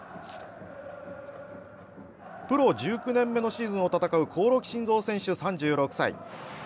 プロ１９年目のシーズンを戦う興梠慎三選手、３６歳。